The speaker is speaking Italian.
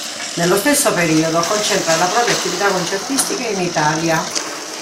Nello stesso periodo concentra la propria attività concertistica in Italia.